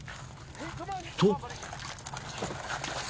［と］